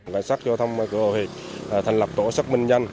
cảnh sát giao thông cửa ô hiệp thành lập tổ xác minh nhanh